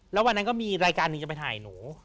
แล้ววันนั้นก็มีรายการหนึ่งจะไปถ่ายหนู